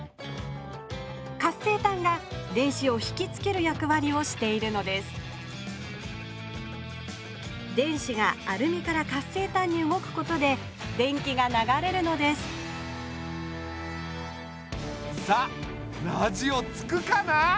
活性炭が電子をひきつけるやくわりをしているのです電子がアルミから活性炭に動くことで電気が流れるのですさあラジオつくかな？